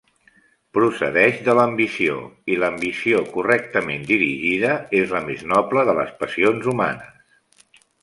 Procedeix de l'ambició; i l'ambició, correctament dirigida, és la més noble de les passions humanes.